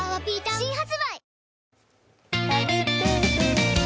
新発売